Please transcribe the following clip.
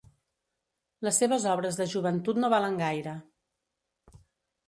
Les seves obres de joventut no valen gaire.